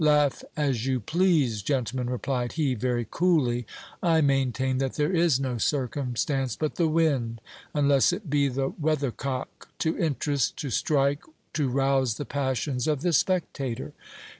Laugh as you please, gentlemen, replied he, very coolly; I maintain that there is no circumstance but the wind, unless it be the weather cock, to interest, to strike, to rouse the passions of the spectator.